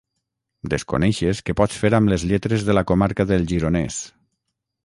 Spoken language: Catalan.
Desconeixes què pots fer amb les lletres de la comarca del Gironès.